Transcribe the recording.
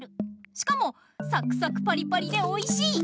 しかもサクサクパリパリでおいしい！